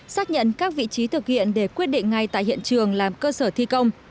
xác nhận các vị trí thực hiện để quyết định ngay tại hiện trường làm cơ sở thi công